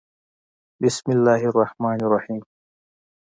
بسم الله الرحمن الرحیم